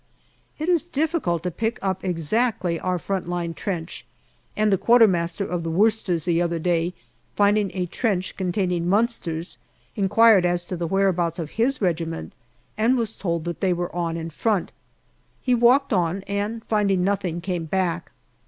It is difficult to pick up exactly our front line trench, and the Q.M. of the Worcesters the other day, finding a trench containing Munsters, inquired as to the whereabouts of his regiment, and was told that they were on in front ; he walked on, and finding nothing, came back.